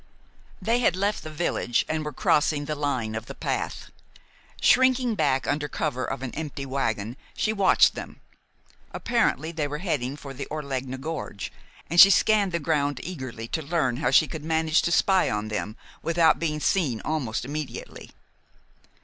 They had left the village and were crossing the line of the path. Shrinking back under cover of an empty wagon, she watched them. Apparently they were heading for the Orlegna Gorge, and she scanned the ground eagerly to learn how she could manage to spy on them without being seen almost immediately.